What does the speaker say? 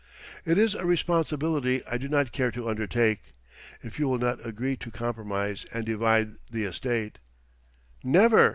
It is a responsibility I do not care to undertake. If you will not agree to compromise and divide the estate " "Never!"